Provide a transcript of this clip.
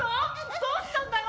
どうしたんだよ！